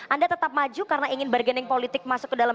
anda tetap maju karena ingin bergening politik masuk ke dalam